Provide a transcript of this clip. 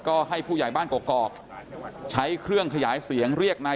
ก็ให้ผู้ใหญ่บ้านกอกใช้เครื่องขยายเสียงเรียกนาย